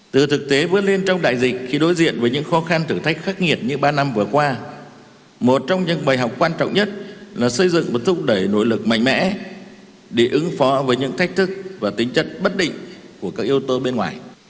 từ thực tế vướt lên trong đại dịch khi đối diện với những khó khăn thử thách khắc nghiệt như ba năm vừa qua một trong những bài học quan trọng nhất là xây dựng một thúc đẩy nội lực mạnh mẽ để ứng phó với những thách thức và tính chất bất định của các yếu tố bên ngoài